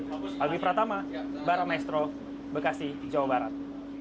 pagi pertama barang maestro bekasi jawa barat